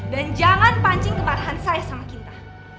dan jangan pancing kemarahan saya sama kita